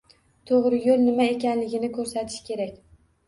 To'g'ri yo'l nima ekanligini ko'rsatish kerak